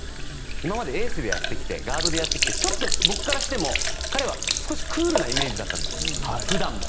今までエースでやってきてガードでやってきてちょっと僕からしても彼は少しクールなイメージだったんです普段も。